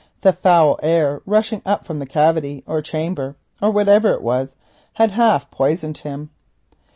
The foul air rushing up from the cavity or chamber, or whatever it was, had half poisoned him.